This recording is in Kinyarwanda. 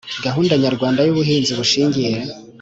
Gahunda nyarwanda y ubuhinzi bushingiye